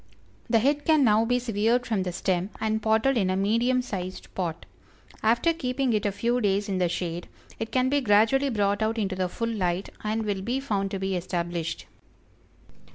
The head can now be severed from the stem and potted in a medium sized pot. After keeping it a few days in the shade, it can be gradually brought out into the full light, and will be found to be established.